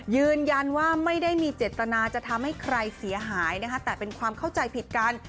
ยืนยันว่าไม่ได้มีเจตนาจะทำให้ใครเสียหายนะคะแต่เป็นความเข้าใจผิดกัน